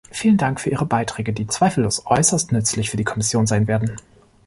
Vielen Dank für Ihre Beiträge, die zweifellos äußerst nützlich für die Kommission sein werden.